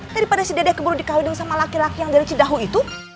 daripada si dede keburu di kawin sama laki laki yang dari cidahu itu